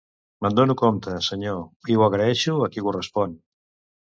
Me'n dono compte, senyor, i ho agraeixo a qui correspon.